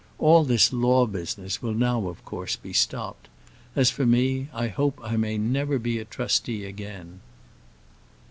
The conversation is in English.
All this law business will now, of course, be stopped. As for me, I hope I may never be a trustee again."